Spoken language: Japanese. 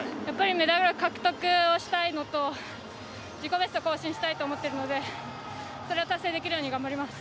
メダルを獲得したいのと自己ベストを更新したいと思っているのでそれを達成できるように頑張ります。